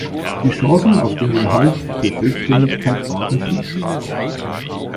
Die Chancen auf den Erhalt der Selbständigkeit waren schlecht.